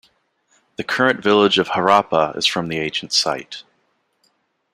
The current village of Harappa is from the ancient site.